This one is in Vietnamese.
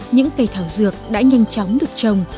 những cây thảo dược đã nhanh chóng được trồng